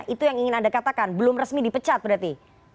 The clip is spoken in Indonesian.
itu yang ingin anda katakan belum resmi dipecat berarti